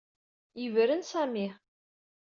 Yebren Sami.